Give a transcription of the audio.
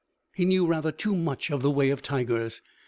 He knew rather too much of the way of tigers.